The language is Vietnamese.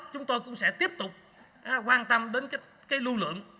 chúng tôi cũng sẽ tiếp tục quan tâm đến lưu lượng